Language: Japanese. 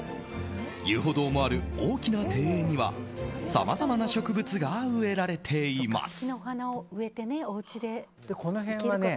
遊歩道もある大きな庭園にはさまざまな植物が植えられています。